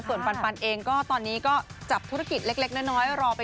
ส่วนปันเองก็ตอนนี้ก็จับธุรกิจเล็กน้อยรอไป